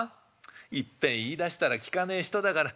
いっぺん言いだしたら聞かねえ人だから。